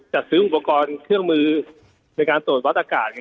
จัดซื้ออุปกรณ์เครื่องมือในการตรวจวัดอากาศ